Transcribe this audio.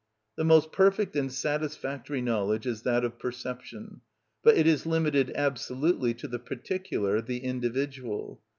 The most perfect and satisfactory knowledge is that of perception, but it is limited absolutely to the particular, the individual.